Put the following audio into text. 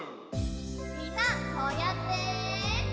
みんなこうやって。